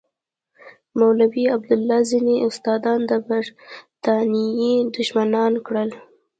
مولوي عبیدالله ځینې استادان د برټانیې دښمنان کړل.